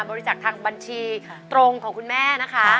บริจาคทางบัญชีตรงของคุณแม่นะคะ